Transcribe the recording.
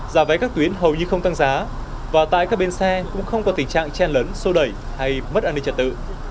giả vấy các tuyến hầu như không tăng giá và tại các bên xe cũng không có tình trạng chen lấn sô đẩy hay mất an ninh trật tự